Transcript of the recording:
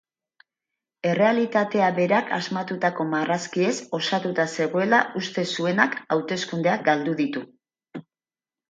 Errealitatea berak asmatutako marrazkiez osatuta zegoela uste zuenak hauteskundeak galdu ditu.